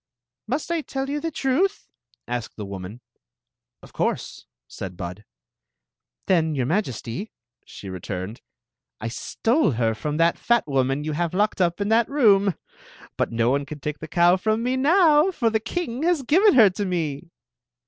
" Must I tell you the truth?" asked the womaa. " Of course," said Bud. " Then, your Majesty," she returned, " I stde her from that fat woman you have locked up in that room. But no one can take the cow from me now, for the king has given her to me."